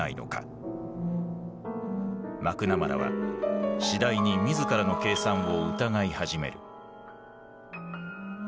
マクナマラは次第に自らの計算を疑い始める。